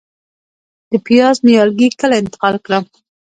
د پیاز نیالګي کله انتقال کړم؟